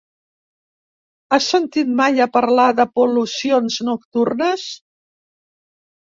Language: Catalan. Has sentit mai a parlar de pol·lucions nocturnes?